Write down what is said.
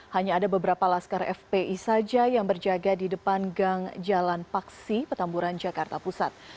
hanya ada beberapa laskar fpi saja yang berjaga di depan gang jalan paksi petamburan jakarta pusat